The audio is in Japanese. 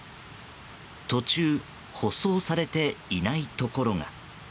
途中舗装されていないところが。